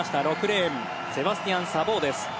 ６レーンのセバスティアン・サボーです。